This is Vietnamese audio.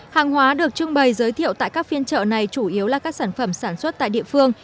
hàng hóa được trưng bày giới thiệu tại các phiên chợ này chủ yếu là các sản phẩm sản xuất tại địa phương